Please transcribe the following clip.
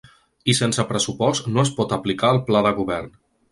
I sense pressupost no es pot aplicar el pla de govern.